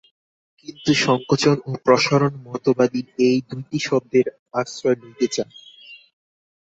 কিন্তু সঙ্কোচন ও প্রসারণ-মতবাদী এই দুইটি শব্দের আশ্রয় লইতে চায়।